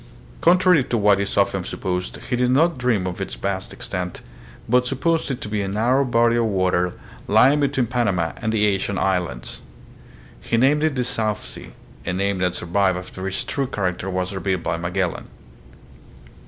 Con trary to what is often supposed, he did not dream of its vast extent, but supposed it to be a narrow body of water lying between Panama and the Asian islands. He named it the "South Sea," a name that survived after its true character was revealed by Magellan.